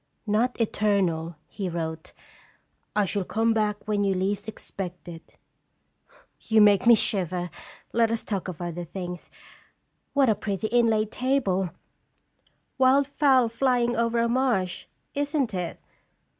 'Not eternal,' he wrote; M shall come back when you least expect it.'" "You make me shiver. Let us talk of other things. What a pretty inlaid table wild fowl flying over a marsh isn't it?